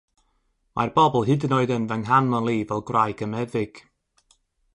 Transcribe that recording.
Mae'r bobl hyd yn oed yn fy nghanmol i fel gwraig y meddyg.